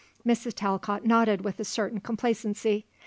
Mrs. Talcott nodded with a certain complacency.